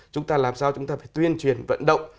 chúng ta làm sao chúng ta phải tuyên truyền vận động